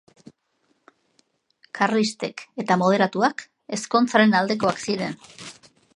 Karlistek eta moderatuak ezkontzaren aldekoak ziren.